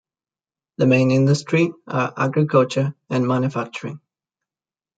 The main industry are agriculture and manufacturing.